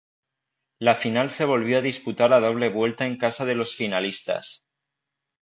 La final se volvió a disputar a doble vuelta en casa de los finalistas.